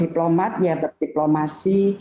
diplomat ya di diplomasi